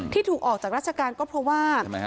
ที่ถูกออกจากราชการก็เพราะว่า